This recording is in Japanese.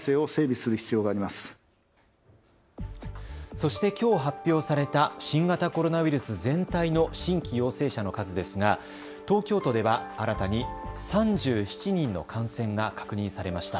そして、きょう発表された新型コロナウイルス全体の新規陽性者の数ですが東京都では新たに３７人の感染が確認されました。